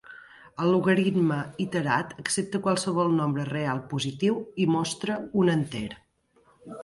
El logaritme iterat accepta qualsevol nombre real positiu i mostra un enter.